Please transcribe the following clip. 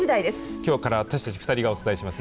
きょうから私たち２人がお伝えします。